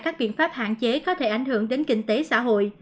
các biện pháp hạn chế có thể ảnh hưởng đến kinh tế xã hội